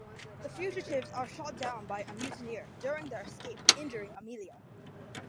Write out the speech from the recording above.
The fugitives are shot down by a mutineer during their escape, injuring Amelia.